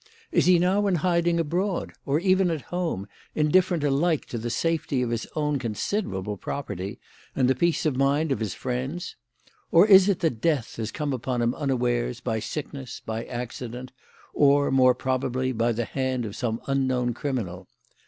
Is he now in hiding abroad, or even at home, indifferent alike to the safety of his own considerable property and the peace of mind of his friends? Or is it that death has come upon him unawares by sickness, by accident, or, more probably, by the hand of some unknown criminal?